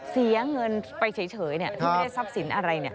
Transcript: เสียเงินไปเฉยที่ไม่ได้ทรัพย์สินอะไร